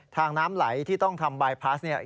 ทางน้ำไหลที่ต้องทำบายพาร์ทเนี่ย